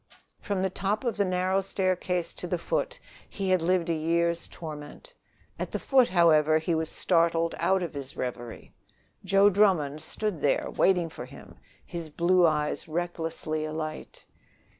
From the top of the narrow staircase to the foot, and he had lived a year's torment! At the foot, however, he was startled out of his reverie. Joe Drummond stood there waiting for him, his blue eyes recklessly alight.